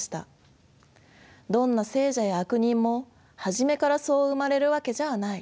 どんな聖者や悪人も初めからそう生まれるわけじゃない。